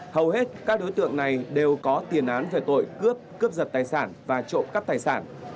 hầu hết các đối tượng này đều có tiền án về tội cướp cướp giật tài sản và trộm cắp tài sản